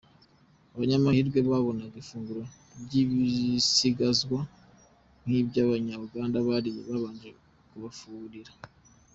Abanyamahirwe babonaga ifunguro ry’ibisigazwa ry’ibyo Abanya-Uganda bariye, babanje kubafurira.